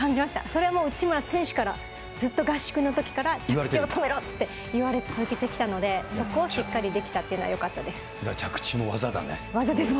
それもう、内村選手から、ずっと合宿のときから、着地を止めろと言われ続けてきたので、そこをしっかりできたというのはよかったです。